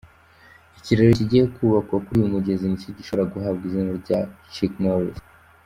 Ikiraro kigiye kubakwa kuri uyu mugezi nicyo gishobora guhabwa izina rya Chuck Norris.